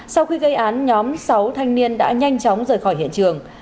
sau khi gây án nhóm sáu thanh niên đã nhanh chóng rời khỏi hiện trường